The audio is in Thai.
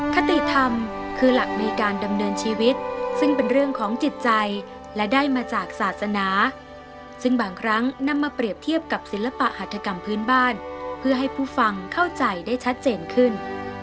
คติธรรมคือหลักในการดำเนินชีวิตซึ่งเป็นเรื่องของจิตใจและได้มาจากศาสนาซึ่งบางครั้งนำมาเปรียบเทียบกับศิลปะหัฐกรรมพื้นบ้านเพื่อให้ผู้ฟังเข้าใจได้ชัดเจนขึ้น